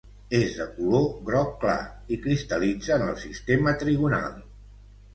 És de color groc clar i cristal·litza en el sistema trigonal.